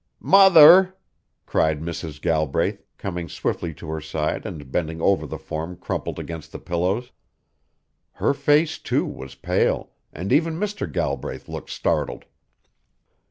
"Mother!" cried Mrs. Galbraith, coming swiftly to her side and bending over the form crumpled against the pillows. Her face, too, was pale, and even Mr. Galbraith looked startled.